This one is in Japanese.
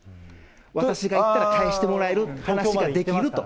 私が行ったら返してもらえる、話ができると。